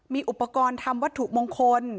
มีอุปกรณ์ทำวัตถุมงคล